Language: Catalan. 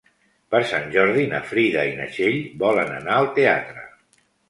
Per Sant Jordi na Frida i na Txell volen anar al teatre.